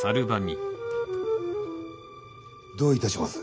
どういたします？